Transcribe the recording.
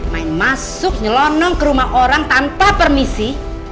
main masuk nyelonong ke rumah orang tanpa permisi